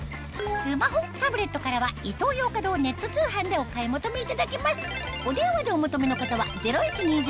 スマホタブレットからはイトーヨーカドーネット通販でお買い求めいただけます